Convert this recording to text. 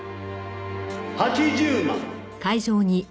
８０万。